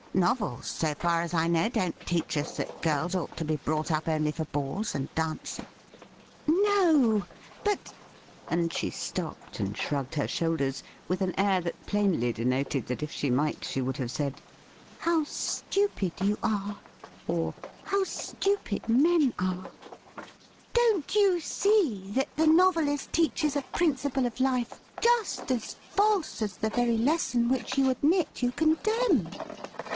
Novels, so far as I know, don't teach us that girls ought to be brought up only for balls and dancing.' ' No ; but '— and she stopped and shrugged her shoulders with an air that plainly denoted that if she might she would have said, ' How stupid you are !' or ' How stupid men are !'—' don't you see that the novelist teaches a principle of life just as false as the very lesson which you admit you condemn